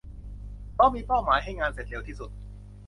เพราะมีเป้าหมายให้งานเสร็จเร็วที่สุด